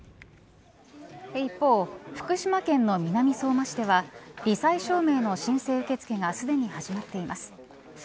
一方、福島県の南相馬市ではり災証明の申請受け付けがすでに始まっています。